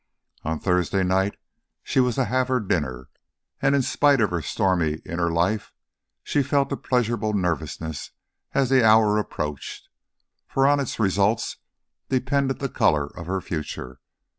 On Thursday night she was to have her dinner, and in spite of her stormy inner life she felt a pleasurable nervousness as the hour approached; for on its results depended the colour of her future.